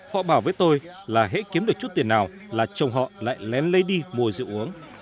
họ bảo với tôi là hãy kiếm được chút tiền nào là chồng họ lại lén lấy đi mua rượu uống